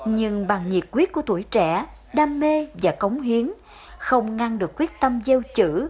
nhưng bằng nhiệt quyết của tuổi trẻ đam mê và cống hiến không ngăn được quyết tâm gieo chữ